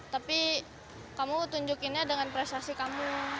tapi kamu tunjukinnya dengan prestasi kamu